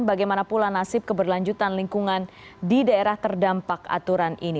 bagaimana pula nasib keberlanjutan lingkungan di daerah terdampak aturan ini